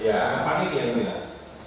saya tidak paham tidak susah